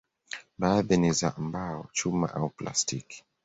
Baadhi ni za mbao, chuma au plastiki.